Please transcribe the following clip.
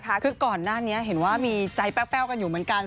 คือก่อนหน้านี้เห็นว่ามีใจแป้วกันอยู่เหมือนกัน